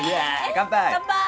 乾杯！